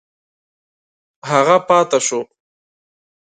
هغه پاته شو.